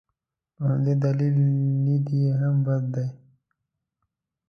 په همدې دلیل لید یې هم بدل دی.